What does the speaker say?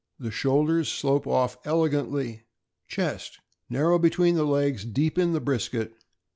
The shoulders slope off elegantly. Chest. — Narrow between the legs, deep in the brisket.